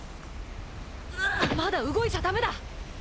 まだ動いちゃ駄目だ。